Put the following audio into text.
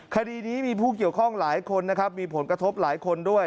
คดีนี้มีผู้เกี่ยวข้องหลายคนนะครับมีผลกระทบหลายคนด้วย